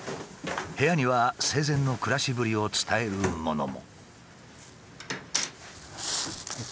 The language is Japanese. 部屋には生前の暮らしぶりを伝えるものも。